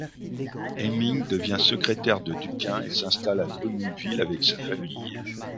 Hemming devient secrétaire de Dunkin et s'installe à Drummondville avec sa famille.